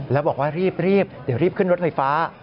แล้วบอกว่ารีบเดี๋ยวรีบขึ้นรถไฟฟ้า